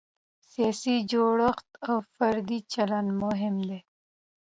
سیاسي جوړښت او فردي چلند هم مهم دی.